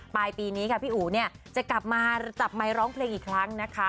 ปลายปีนี้ค่ะพี่อู๋เนี่ยจะกลับมาจับไมค์ร้องเพลงอีกครั้งนะคะ